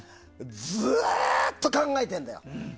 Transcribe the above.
ずーっと考えてるんだよ。